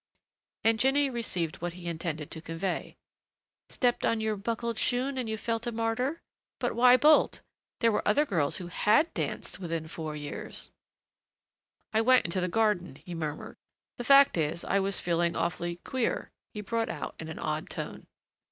And Jinny received what he intended to convey. "Stepped on your buckled shoon and you felt a martyr?... But why bolt? There were other girls who had danced within four years " "I went into the garden," he murmured. "The fact is, I was feeling awfully queer," he brought out in an odd tone.